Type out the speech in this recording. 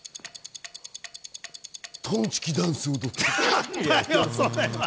トンチキダンスを踊った。